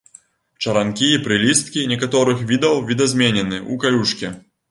Чаранкі і прылісткі некаторых відаў відазменены ў калючкі.